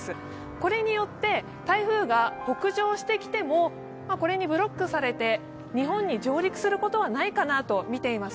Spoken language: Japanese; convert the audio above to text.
これによって台風が北上してきてもこれにブロックされて日本に上陸することはないかなと見ています。